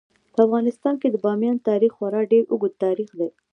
په افغانستان کې د بامیان تاریخ خورا ډیر اوږد تاریخ دی.